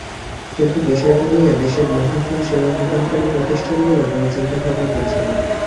কিন্তু বিষয়টা নিয়ে দেশের মুঠোফোন সেবা প্রদানকারী প্রতিষ্ঠানগুলো কোনো চিন্তাভাবনা করছে না।